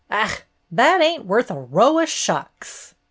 "Ach, that ain't worth a row o' shucks."